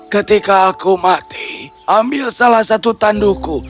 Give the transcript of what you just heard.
ketika aku mati ambil salah satu tanduku